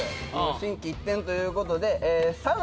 心機一転という事で。